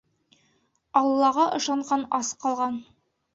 Аллаға ышанған ас ҡалған